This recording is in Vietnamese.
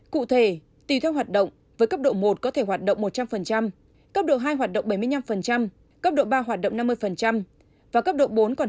cụ thể tùy theo hoạt động với cấp độ một có thể hoạt động một trăm linh cấp độ hai hoạt động bảy mươi năm cấp độ ba hoạt động năm mươi và cấp độ bốn